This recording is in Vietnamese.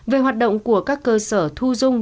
về hoạt động của các cơ sở thu dụng